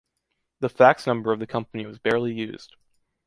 The fax number of the company was barely used.